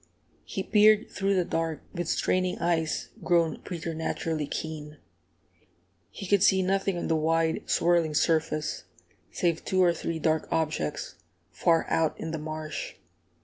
He peered through the dark, with straining eyes grown preternaturally keen. He could see nothing on the wide, swirling surface save two or three dark objects, far out in the marsh.